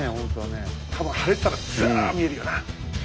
多分晴れてたらざぁっ見えるよな。